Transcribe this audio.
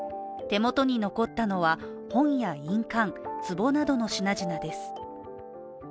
手元に残ったのは、本や印鑑、つぼなどの品々です。